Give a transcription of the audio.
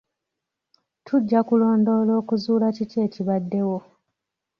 Tujja kulondoola okuzuula kiki ekibaddewo.